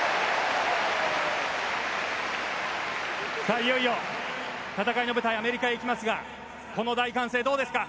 いよいよ戦いの舞台はアメリカに行きますがこの大歓声、どうですか？